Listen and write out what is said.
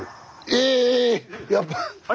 えやっぱ。